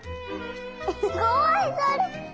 すごいそれ！